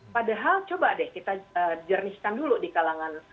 padahal coba deh kita jernihkan dulu di kalangan